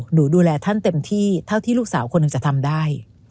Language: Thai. ดูแลท่านเต็มที่เท่าที่ลูกสาวคนหนึ่งจะทำได้